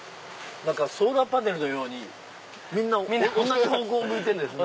ソーラーパネルのようにみんな同じ方向を向いてるんですね。